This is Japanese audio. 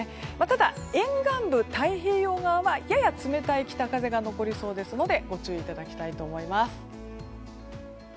ただ、沿岸部や太平洋側はやや冷たい北風が残りそうですのでご注意いただきたいと思います。